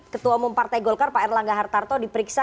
ketua umum partai golkar pak erlangga hartarto diperiksa